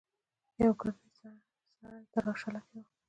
يوه ګردي سړی تراشله کې و.